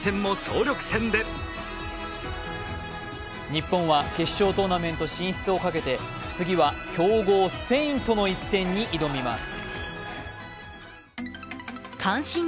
日本は決勝トーナメント進出をかけて次は強豪・スペインとの一戦に臨みます。